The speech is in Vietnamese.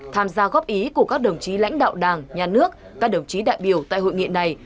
tham gia góp ý của các đồng chí lãnh đạo đảng nhà nước các đồng chí đại biểu tại hội nghị này